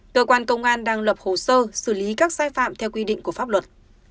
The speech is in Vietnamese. cơ quan công an đang lập hồ sơ xử lý các sai phạm theo quy định của pháp luật